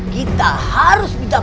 kita harus mencari